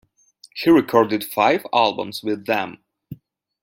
He recorded five albums with them.